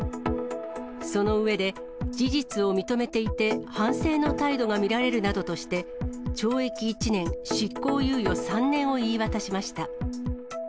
その上で事実を認めていて反省の態度が見られるなどとして、懲役１年執行猶予３年を言い渡しました。